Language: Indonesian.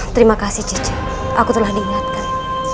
terima kasih cica aku telah diingatkan